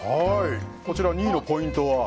こちら、２位のポイントは？